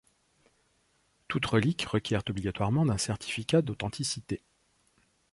Toutes reliques requièrent obligatoirement d'un certificat d'authenticité.